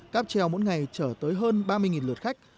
cắp treo mỗi ngày trở tới hơn ba mươi lượt khách